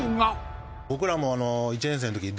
僕らも。